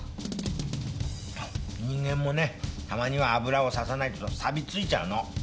人間もたまには油を差さないとサビついちゃうの！